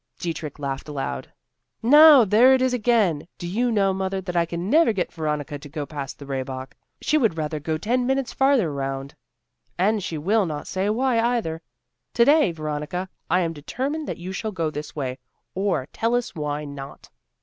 Dietrich laughed aloud. "Now there it is again. Do you know, mother, that I can never get Veronica to go past the Rehbock. She would rather go ten minutes farther round, and she will not say why either. To day, Veronica, I am determined that you shall go this way or tell us why not."